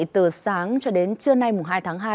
từ sáng cho đến trưa nay hai tháng hai